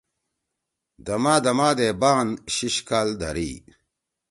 دما دما دے بان شیِشکال دھرئی۔